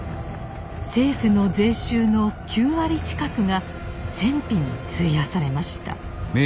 政府の税収の９割近くが戦費に費やされました。